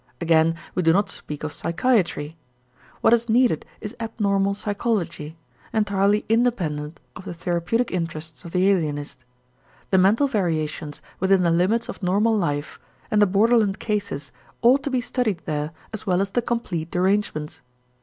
Again we do not speak of psychiatry. What is needed is abnormal psychology, entirely independent of the therapeutic interests of the alienist. The mental variations within the limits of normal life and the borderland cases ought to be studied there as well as the complete derangements.